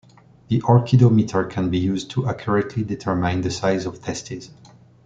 The orchidometer can be used to accurately determine size of testes.